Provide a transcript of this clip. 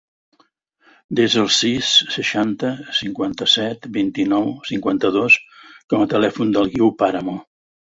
Desa el sis, seixanta, cinquanta-set, vint-i-nou, cinquanta-dos com a telèfon del Guiu Paramo.